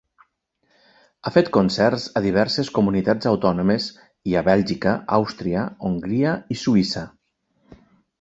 Ha fet concerts a diverses comunitats autònomes i a Bèlgica, Àustria, Hongria i Suïssa.